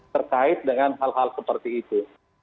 terkait dengan hal hal seperti itu